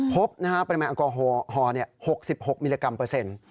พบปริมาณแอลกอฮอล๖๖มิลลิกรัมเปอร์เซ็นต์